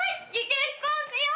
結婚しよう！